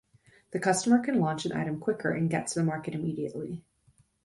The customer can launch an item quicker and get to the market immediately.